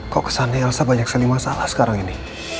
kok kesannya elsa banyak sekali masalah sekarang ini